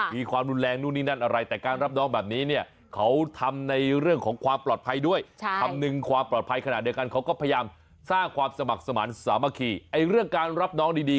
มีความรุนแรงนู่นนี่นั่นอะไร